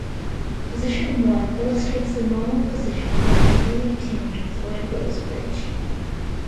Position I illustrates the normal position of an ideally tuned Floyd Rose bridge.